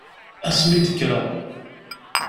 Asmi i d-kkreɣ.